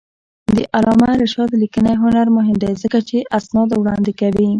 د علامه رشاد لیکنی هنر مهم دی ځکه چې اسناد وړاندې کوي.